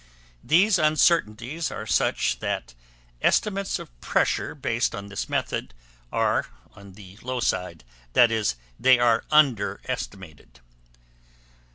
These uncertainties are such that estimates of pressure based on this method are on the low side, i.e., they are underestimated.